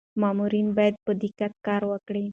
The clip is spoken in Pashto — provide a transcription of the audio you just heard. مامورین باید په دقت کار وکړي.